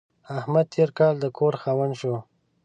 احمد تېر کال د کور خاوند شو.